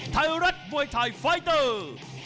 ไทยรัฐมวยไทยไฟเตอร์